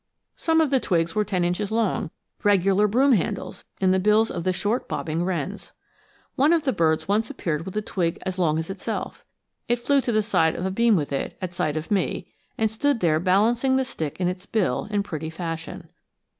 Some of the twigs were ten inches long, regular broom handles in the bills of the short bobbing wrens. One of the birds once appeared with a twig as long as itself. It flew to the side of a beam with it, at sight of me, and stood there balancing the stick in its bill, in pretty fashion.